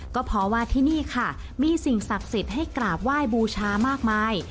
ก็เพราะว่าที่นี่ค่ะมีสิ่งศักดิ์สิทธิ์ให้กราบไหว้บูชามากมาย